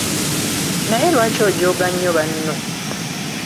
Naye lwaki ojooga nnyo banno?